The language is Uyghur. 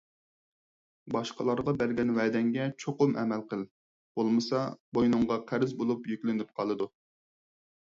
باشقىلارغا بەرگەن ۋەدەڭگە چوقۇم ئەمەل قىل. بولمىسا بوينۇڭغا قەرز بولۇپ يۈكلىنىپ قالىدۇ.